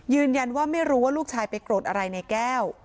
ยืนยันว่าไม่รู้ว่าลูกชายไปโกรธอะไรในแก้ว